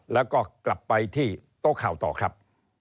แล้วก็กลับไปที่โต๊ะข่าวต่อครับ